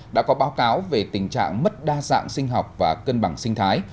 đã có báo cáo về tình trạng mất đa dạng sinh học và cân bằng sinh thái